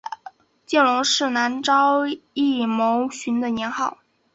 见龙是南诏异牟寻的年号。